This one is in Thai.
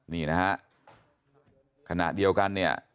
นี่นะฮะขณะเดียวกันเนี่ย